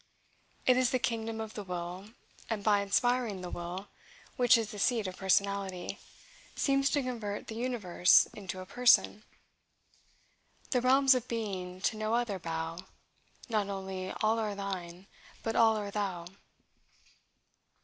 It is the kingdom of the will, and by inspiring the will, which is the seat of personality, seems to convert the universe into a person: "The realms of being to no other bow, Not only all are thine, but all are Thou."